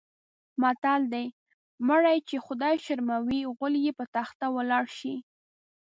متل دی: مړی چې خدای شرموي غول یې په تخته ولاړ شي.